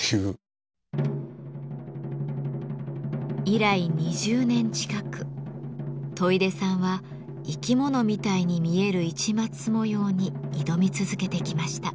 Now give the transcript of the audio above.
以来２０年近く戸出さんは「生き物みたいに見える市松模様」に挑み続けてきました。